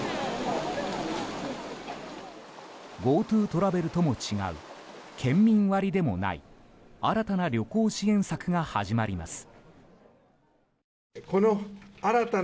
ＧｏＴｏトラベルとも違う県民割でもない新たな旅行支援策が始まります。